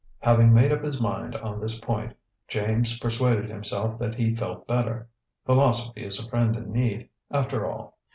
Having made up his mind on this point, James persuaded himself that he felt better. Philosophy is a friend in need, after all.